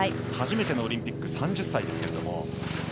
初めてのオリンピックです３０歳ですけど。